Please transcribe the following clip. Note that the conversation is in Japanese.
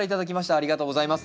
ありがとうございます。